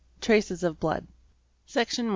TRACES OF BLOOD. Section i.